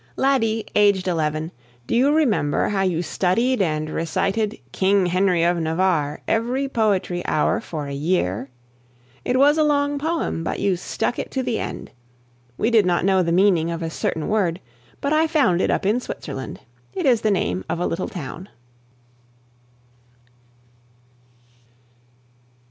Laddie, aged eleven, do you remember how you studied and recited "King Henry of Navarre" every poetry hour for a year? It was a long poem, but you stuck to it to the end. We did not know the meaning of a certain word, but I found it up in Switzerland. It is the name of a little town.